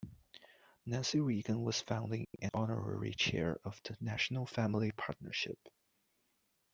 Nancy Reagan was founding and honorary Chair of the National Family Partnership.